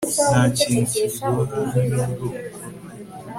Ntakintu kiryoha nkibiryo ukora